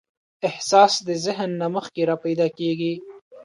احساس د ذهن نه مخکې راپیدا کېږي.